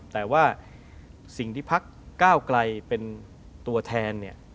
แต่ว่าสิ่งที่พักก้าวไกลเป็นตัวแทนเนี่ย